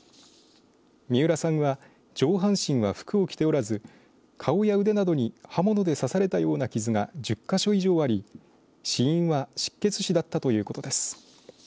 三浦さんは上半身は服を着ておらず顔や腕などに刃物で刺されたような傷が１０か所以上あり死因は失血死だったということです。